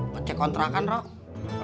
pencek kontrakan roh